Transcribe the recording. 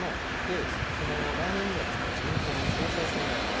来年には自民党の総裁選があります。